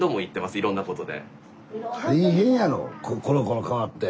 いろんなことで。